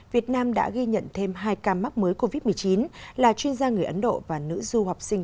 việt nam đã ghi nhận thêm hai ca mắc mới covid một mươi chín là chuyên gia người ấn độ và nữ du học sinh